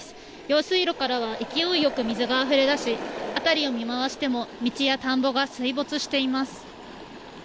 用水路からは勢いよく水があふれ出し、辺りを見回しても、道や田んぼが水没しています。